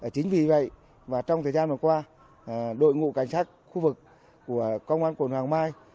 chính vì vậy mà trong thời gian vừa qua đội ngũ cảnh sát khu vực của công an quận hoàng mai